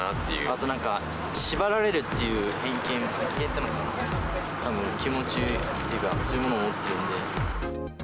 あとなんか、縛られるっていう偏見、気持ちっていうか、そういうものを持ってるんで。